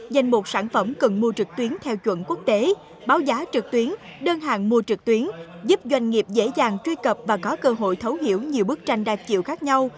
danh mục sản phẩm cần mua trực tuyến theo chuẩn quốc tế báo giá trực tuyến đơn hàng mua trực tuyến giúp doanh nghiệp dễ dàng truy cập và có cơ hội thấu hiểu nhiều bức tranh đa chiều khác nhau